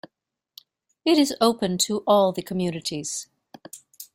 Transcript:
It is open to all the communities.